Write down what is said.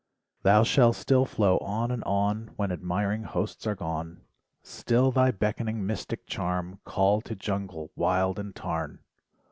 Thou shall still flow on and on When admiring hosts are gone, Still thy beckoning mystic charm. Call to jungle wild, and tarn.